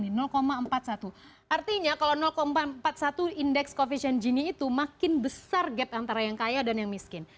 artinya kalau empat puluh satu indeks koefisien gini itu makin besar gap antara yang kaya dan yang miskin